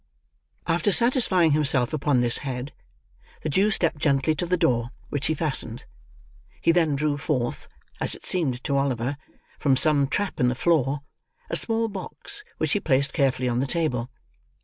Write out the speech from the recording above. After satisfying himself upon this head, the Jew stepped gently to the door: which he fastened. He then drew forth: as it seemed to Oliver, from some trap in the floor: a small box, which he placed carefully on the table.